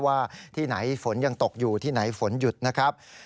ว่าที่ไหนฝนยังตกอยู่ที่ไหนฝนหยุดนะครับ